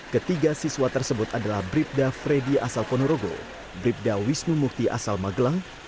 ketiga siswa tersebut adalah bribda freddy asal ponorogo bribda wisnu mukti asal magelang